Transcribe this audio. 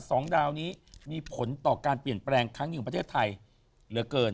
สองดาวนี้มีผลต่อการเปลี่ยนแปลงครั้งหนึ่งของประเทศไทยเหลือเกิน